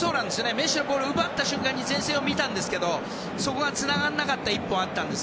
メッシのボール奪った瞬間に前線を見たんですけどそこがつながらなかった１本があったんです。